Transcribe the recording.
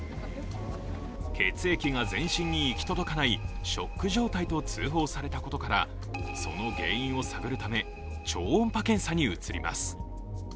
血液が全身に行き届かないショック状態と通報されたことからその原因を探るため、超音波検査に移ります。